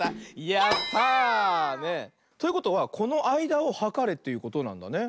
やった！ということはこのあいだをはかれということなんだね。